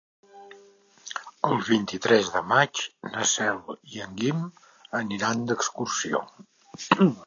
El vint-i-tres de maig na Cel i en Guim aniran d'excursió.